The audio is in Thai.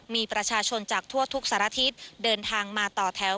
มีประชาชนจากทั่วทุกสารทิศเดินทางมาต่อแถว